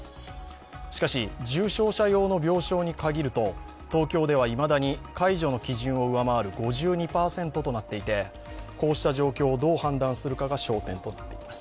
しかし重症者用の病床に限ると東京ではいまだに、解除の基準を上回る５２％となっていてこうした状況をどう判断するかが焦点となります。